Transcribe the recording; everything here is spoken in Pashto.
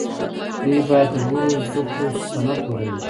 دوی باید د لوړو زدکړو سند ولري.